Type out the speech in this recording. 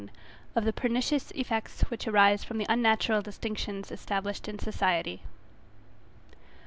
OF THE PERNICIOUS EFFECTS WHICH ARISE FROM THE UNNATURAL DISTINCTIONS ESTABLISHED IN SOCIETY.